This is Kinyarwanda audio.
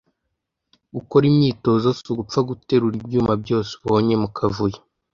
Gukora imyitozo si ugupfa guterura ibyuma byose ubonye mu kavuyo